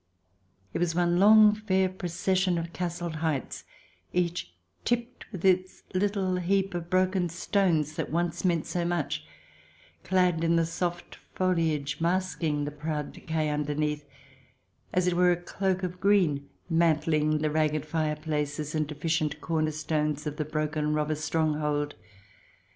It was one long, fair procession of castled heights, each tipped with its little heap of broken stones that had once meant so much, clad with soft foliage masking the proud decay underneath ; as it were a cloak of green mantling the ragged fireplaces and deficient corner stones of the broken robber stronghold.